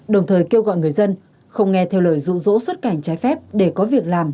đồng thời kêu gọi người dân không nghe theo lời rụ rỗ xuất cảnh trái phép để có việc làm